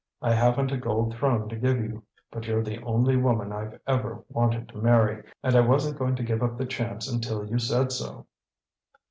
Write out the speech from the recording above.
I haven't a gold throne to give you; but you're the only woman I've ever wanted to marry, and I wasn't going to give up the chance until you said so."